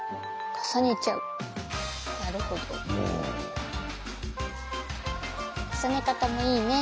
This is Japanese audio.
かさねかたもいいね。